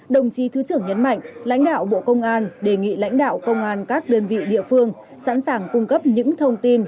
đồng chí thứ trưởng nhấn mạnh lãnh đạo bộ công an đề nghị lãnh đạo công an các đơn vị địa phương sẵn sàng cung cấp những thông tin